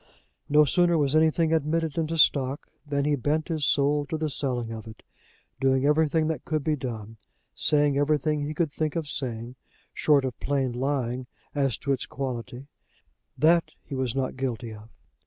No sooner was anything admitted into stock, than he bent his soul to the selling of it, doing everything that could be done, saying everything he could think of saying, short of plain lying as to its quality: that he was not guilty of.